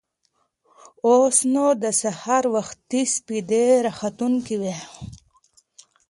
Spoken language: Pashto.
اوس نو د سهار وختي سپېدې راختونکې وې.